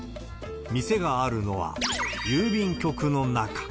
店があるのは郵便局の中。